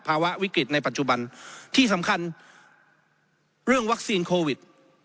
ภาวะวิกฤตในปัจจุบันที่สำคัญเรื่องวัคซีนโควิด